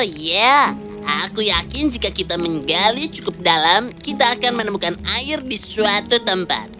iya aku yakin jika kita menggali cukup dalam kita akan menemukan air di suatu tempat